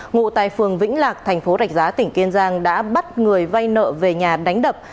ngụ tại phường vĩnh lạc thành phố rạch giá tỉnh kiên giang đã bắt người vay nợ về nhà đánh đập